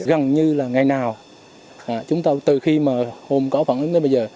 gần như là ngày nào chúng ta từ khi mà hôm có phản ứng tới bây giờ